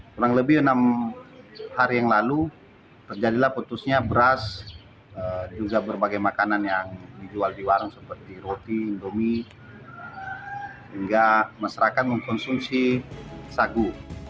kurang lebih enam hari yang lalu terjadilah putusnya beras juga berbagai makanan yang dijual di warung seperti roti indomie hingga masyarakat mengkonsumsi sagu